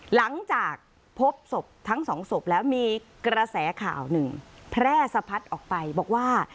หลังจากพบศพทั้งสองศพแล้วมีกระแสข่าวหนึ่งแพร่สะพัดออกไปบอกว่า